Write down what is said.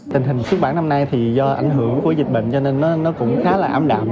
tình hình xuất bản năm nay thì do ảnh hưởng của dịch bệnh cho nên nó cũng khá là ảm đạm